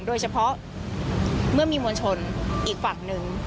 โดยเฉพาะเมื่อมีมวลชนอีกฝั่งหนึ่ง